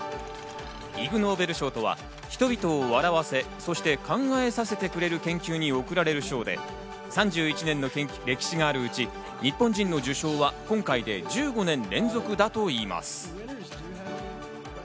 イグ・ノーベル賞とは人々を笑わせ、そして考えさせてくれる研究に贈られる賞で３１年の歴史があるうち日本人の受賞は今回で１５年連続だといいます。